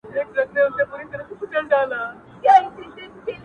زما شاعري وخوړه زې وخوړم،